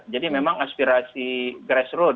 jadi memang aspirasi grassroot